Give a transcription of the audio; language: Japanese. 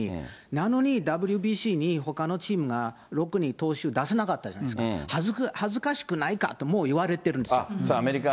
なのにＷＢＣにほかのチームがろくに投手出さなかったじゃないですか、恥ずかしくないかともいわれてるんですよ